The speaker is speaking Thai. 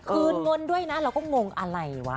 คืนเงินด้วยนะเราก็งงอะไรวะ